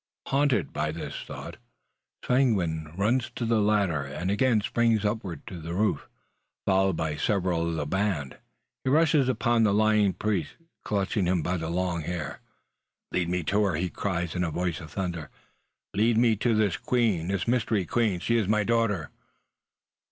Haunted by this thought, Seguin runs to the ladder, and again springs upward to the root, followed by several of the band. He rushes upon the lying priest, clutching him by the long hair. "Lead me to her!" he cries, in a voice of thunder; "lead me to this queen, this Mystery Queen! She is my daughter."